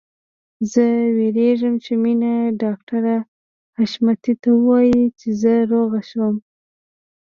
زه وېرېږم چې مينه ډاکټر حشمتي ته ووايي چې زه روغه شوم